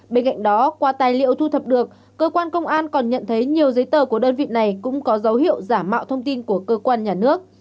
bên cạnh đó qua tài liệu thu thập được cơ quan công an còn nhận thấy nhiều giấy tờ của đơn vị này cũng có dấu hiệu giả mạo thông tin của cơ quan nhà nước